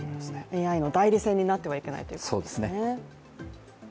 ＡＩの代理戦になってはいけないということですね。